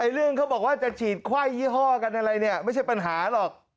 เรื่องเขาบอกว่าจะฉีดไข้ยี่ห้อกันอะไรเนี่ยไม่ใช่ปัญหาหรอก